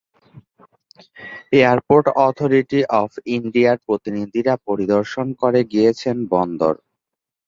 Airport authority of ইন্ডিয়ার প্রতিনিধিরা পরিদর্শন করে গিয়েছেন বন্দর।